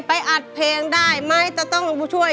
สวัสดีครับคุณหน่อย